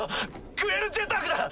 グエル・ジェタークだ！